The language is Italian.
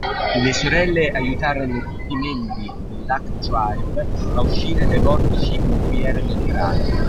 Le sorelle aiutarono tutti i membri dell'Hack Tribe a uscire dai vortici in cui erano entrati.